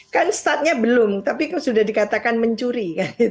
kan startnya belum tapi sudah dikatakan mencuri